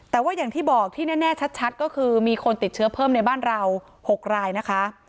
แต่ว่าอย่างที่บอกที่แน่ชัดก็คือมีคนติดเชื้อเพิ่มในบ้านเรา๖รายนะคะ